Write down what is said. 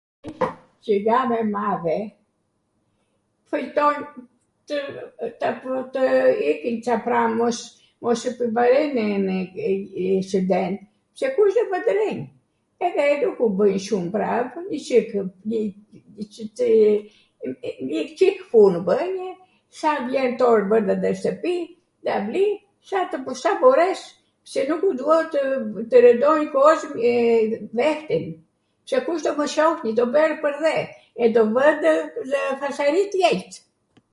qw jam e madhe, kujtonj ca pramw mos epivarenem shwnden se kush do mw twrheq, e nuku bwj shum pramw, njwCik punw bwj, sa vjen torw bwrda nw shtwpi, ... sa mbores, se nukw dua tw rwndoj kozmin, vehten, se kush do mw shohi, do mbetem pwrdhe, do bwjnw fasari djelt